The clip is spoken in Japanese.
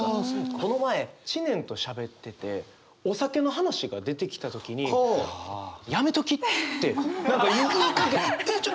この前知念としゃべっててお酒の話が出てきた時に「やめとき！」って何か言いかけた。